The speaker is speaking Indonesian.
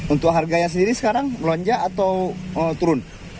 untuk harganya sendiri sekarang melonjak atau turun